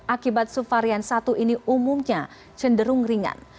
akibat subvarian satu ini umumnya cenderung ringan